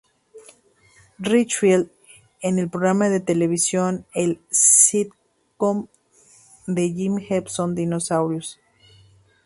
Richfield, en el programa televisivo en el sitcom de Jim Henson "Dinosaurios".